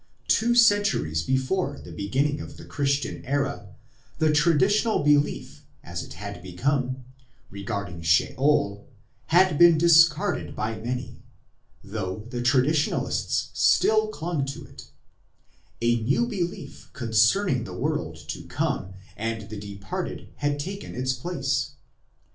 Two 204 IMMORTALITY AND THE UNSEEN WORLD centuries before the beginning of the Christian era, the traditional belief, as it had become, regarding Sheol had been discarded by many, though the traditionalists still clung to it ; a new belief concerning the world to come and the departed had taken its place.